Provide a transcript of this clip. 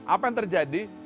apa yang terjadi